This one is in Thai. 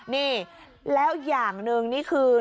นี่แล้วอย่างหนึ่งนี่คือ